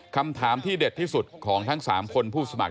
คำถามที่เด็ดที่สุดของทั้ง๓คนผู้สมัคร